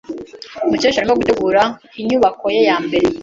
Mukesha arimo gutegura inyubako ye ya mbere.